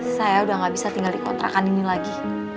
saya udah gak bisa tinggal di kontrakan ini lagi